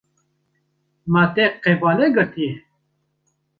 Ma te qebale girtiye.